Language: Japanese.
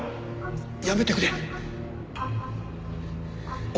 やめてくれ。